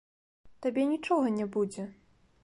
Табе нічога не будзе.